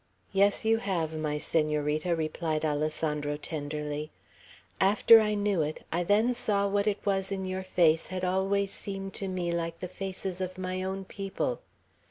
"Yes, you have, my Senorita," replied Alessandro, tenderly. "After I knew it, I then saw what it was in your face had always seemed to me like the faces of my own people."